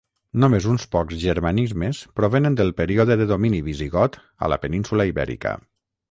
Només uns pocs germanismes provenen del període de domini visigot a la península Ibèrica.